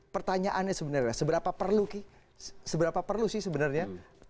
pertanyaannya sebenarnya seberapa perlu sih sebenarnya